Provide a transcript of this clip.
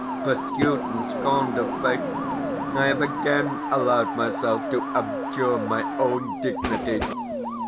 pursued and scorned of fate, I have again allowed myself to abjure my own dignity.